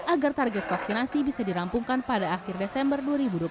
agar target vaksinasi bisa dirampungkan pada akhir desember dua ribu dua puluh satu